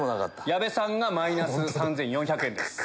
矢部さんがマイナス３４００円。